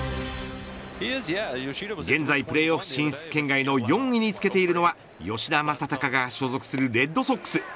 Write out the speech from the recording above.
現在、プレーオフ進出圏外の４位につけているのは吉田正尚が所属するレッドソックス。